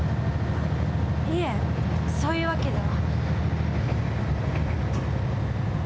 いえそういうわけでは。